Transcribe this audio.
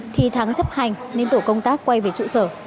thì thắng chấp hành nên tổ công tác quay về trụ sở